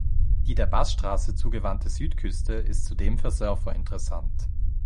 Die der Bass-Straße zugewandte Südküste ist zudem für Surfer interessant.